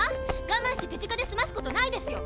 がまんして手近で済ますことないですよ。